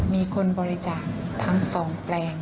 มีคนบริจาคทั้ง๒แปลง